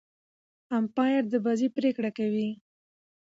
امپاير د بازۍ پرېکړي کوي.